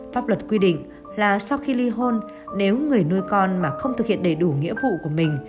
pháp luật quy định là sau khi ly hôn nếu người nuôi con mà không thực hiện đầy đủ nghĩa vụ của mình